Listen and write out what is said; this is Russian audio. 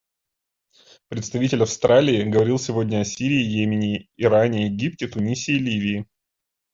Представитель Австралии говорил сегодня о Сирии, Йемене, Иране, Египте, Тунисе и Ливии.